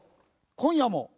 今夜も。